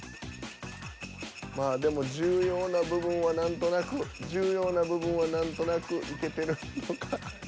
まあでも重要な部分は何となく重要な部分は何となくいけてるのか。